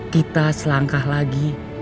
kita selangkah lagi